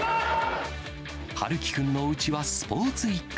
陽希君のおうちはスポーツ一家。